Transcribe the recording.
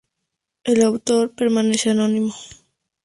El autor permanece anónimo.